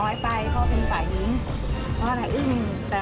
ไม่ได้มีเจตนาที่จะเล่ารวมหรือเอาทรัพย์ของคุณ